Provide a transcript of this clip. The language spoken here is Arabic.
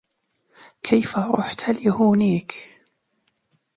كيف رحت لهونيك ؟